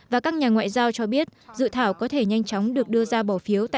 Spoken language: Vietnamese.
và các nhà ngoại giao cho biết dự thảo có thể nhanh chóng được đưa ra bỏ phiếu tại